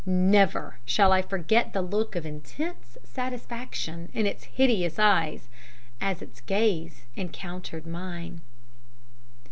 Never shall I forget the look of intense satisfaction in its hideous eyes, as its gaze encountered mine.